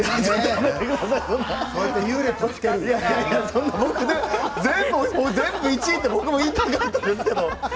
やめてください全部１位って僕も言いたかったですけど。